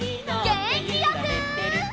げんきよく！